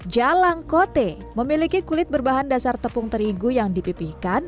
jalang kote memiliki kulit berbahan dasar tepung terigu yang dipipihkan